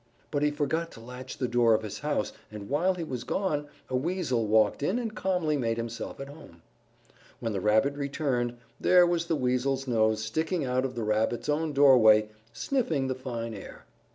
But he forgot to latch the door of his house and while he was gone a Weasel walked in and calmly made himself at home. When the Rabbit returned, there was the Weasel's nose sticking out of the Rabbit's own doorway, sniffing the fine air.